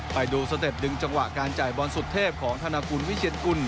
ไปดูสเต็ปดึงจังหวะการจ่ายบอลสุดเทพของธนากุลวิเชียนกุล